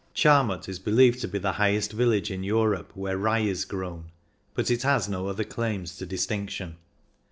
Chiamut is believed to be the highest village in Europe where rye is grown, but it has no other claims to dis tinction.